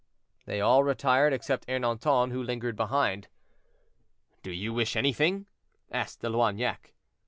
They all retired except Ernanton, who lingered behind. "Do you wish anything?" asked De Loignac.